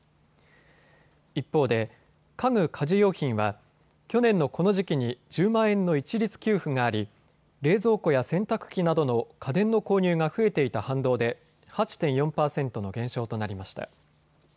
一方で家具・家事用品は去年のこの時期に１０万円の一律給付があり冷蔵庫や洗濯機などの家電の購入が増えていた反動で８．４％の減少となりました。